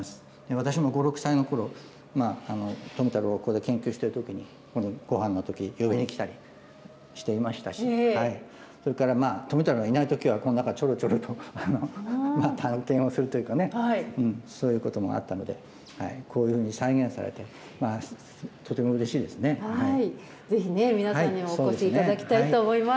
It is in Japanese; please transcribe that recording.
私も５、６歳のころ、富太郎、これ研究しているときに、ごはんのときに呼びにきたりしていましたし、それから富太郎がいないときは、この中をちょろちょろと探検をするというかね、そういうこともあったので、こういうふうに再ぜひね、皆さんにも起こしいただきたいと思います。